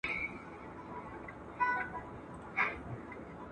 حقيقي عايد بايد زيات سي.